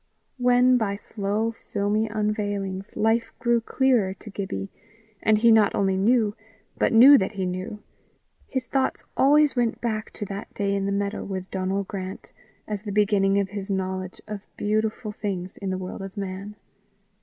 When, by slow filmy unveilings, life grew clearer to Gibbie, and he not only knew, but knew that he knew, his thoughts always went back to that day in the meadow with Donal Grant as the beginning of his knowledge of beautiful things in the world of man.